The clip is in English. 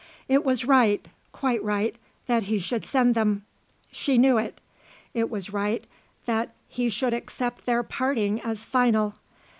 It was right, quite right, that he should send them. She knew it. It was right that he should accept their parting as final.